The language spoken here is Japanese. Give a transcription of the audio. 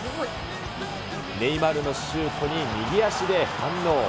ネイマールのシュートに右足で反応。